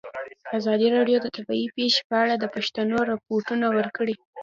ازادي راډیو د طبیعي پېښې په اړه د پېښو رپوټونه ورکړي.